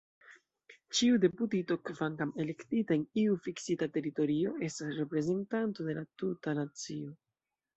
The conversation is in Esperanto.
Ĉiu deputito, kvankam elektita en iu fiksita teritorio, estas reprezentanto de la tuta nacio.